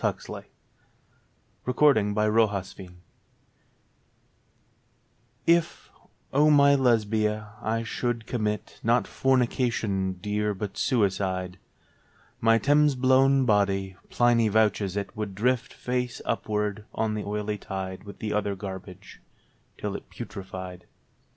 32 Led a SECOND PHILOSOPHER'S SONG IF, O my Lesbia, I should commit, Not fornication, dear, but suicide, My Thames blown body (Pliny vouches it) Would drift face upwards on the oily tide With the other garbage, till it putrefied.